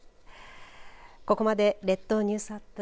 ここまで、列島ニュースアップ